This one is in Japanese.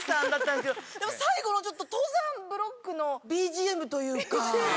でも最後の登山ブロックのＢＧＭというか。